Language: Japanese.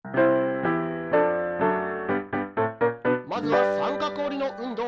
まずは三角おりの運動！